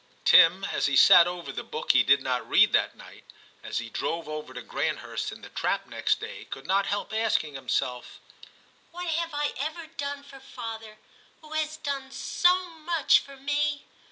Tim, as he sat over the book he did not read that night, as he drove over to Grant hurst in the trap next day, could not help asking himself, 'What have I ever done for father, who has done so much for me